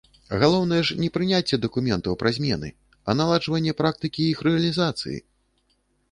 Галоўнае ж не прыняцце дакументаў пра змены, а наладжванне практыкі іх рэалізацыі.